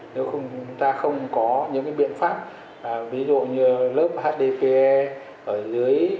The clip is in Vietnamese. nếu chúng ta không có những biện pháp ví dụ như lớp hdpe ở dưới